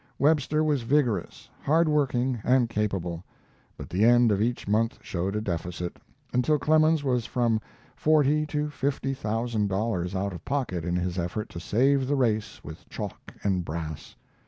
Webster was vigorous, hard working, and capable; but the end of each month showed a deficit, until Clemens was from forty to fifty thousand dollars out of pocket in his effort to save the race with chalk and brass.